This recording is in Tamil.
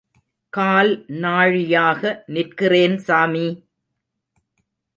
கால் நாழியாக நிற்கிறேன் சாமி!